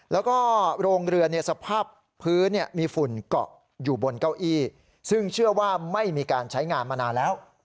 แล้วก็โรงเรือสภาพพื้นมีฝุ่นเกาะอยู่บนเก้าอี้ซึ่งเชื่อว่าไม่มีการใช้งานมานานแล้ว